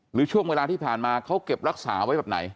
หรือช่วงเวลาที่ผ่านมาเขาเก็บรักษาไว้แบบไหน